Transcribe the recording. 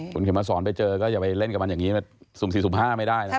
คุณเข็มมาสอนไปเจอก็อย่าไปเล่นกับมันอย่างนี้สุ่ม๔สุ่ม๕ไม่ได้นะครับ